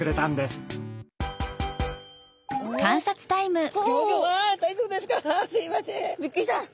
すいません。